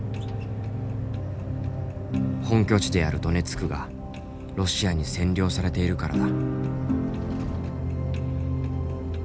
本拠地であるドネツクがロシアに占領されているからだ。